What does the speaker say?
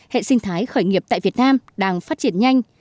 hệ sinh thái khởi nghiệp tại việt nam đang phát triển nhanh